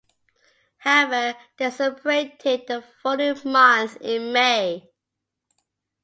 However, they separated the following month in May.